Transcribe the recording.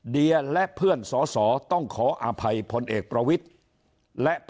เดียและเพื่อนสอสอต้องขออภัยพลเอกประวิทธิ์และ